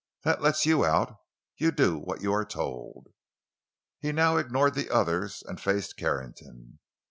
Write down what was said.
That lets you out; you do what you are told!" He now ignored the others and faced Carrington.